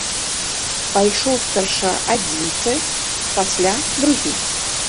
Пайшоў спярша адзін цэх, пасля другі.